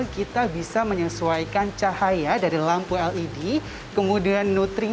kita bisa memprediksi